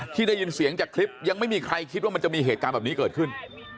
ที่ได้ยินเสียงจากคลิปยังไม่มีใครคิดว่ามันจะมีเหตุการณ์แบบนี้เกิดขึ้น